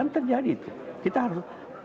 terjadi itu kita harus